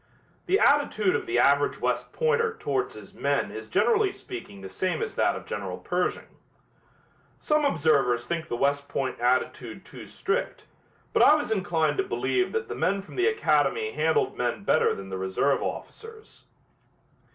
The attitude of the average West Pointer towards his men is generally speaking the same as that of General Pershing. Some observers think the West Point attitude too strict, but I was inclined to believe that the men from the academy handled men better than the reserve officers.